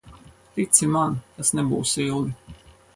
Tici man, tas nebūs ilgi.